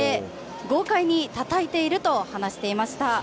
豪快にたたいていると話していました。